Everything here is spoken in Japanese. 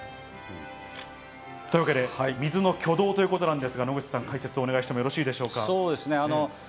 というわけで水の挙動ということですが解説をお願いしてよろしいですか？